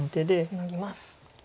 ツナぎます。